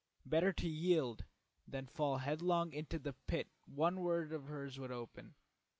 Better to yield than fall headlong into the pit one word of hers would open.